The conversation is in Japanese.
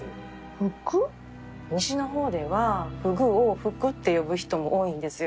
西の方ではフグを「ふく」って呼ぶ人も多いんですよ。